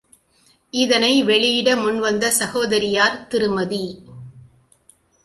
இதனை வெளியிட முன்வந்த சகோதரியார் திருமதி.